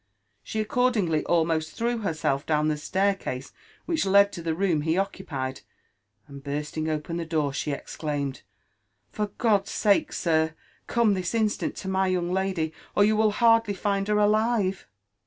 She accor dingly almost threw herself down the staircase which led to the room he occupied, and bursting open the door, she exclaimed, \' For God's sake, sir, come this instant to my young lady, or you will hardly find her alive!"